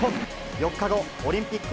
４日後、オリンピック